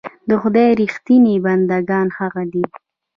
د خدای رښتيني بندګان هغه دي.